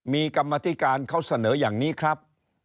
มีกรรมธิการเขาเสนออย่างนี้ครับ